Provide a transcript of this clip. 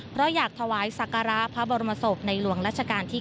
เพราะอยากถวายศักระพระบรมศพในหลวงรัชกาลที่๙